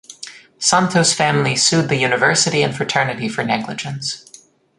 Santos' family sued the university and fraternity for negligence.